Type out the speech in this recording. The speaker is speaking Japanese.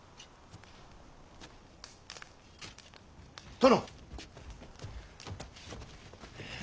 殿。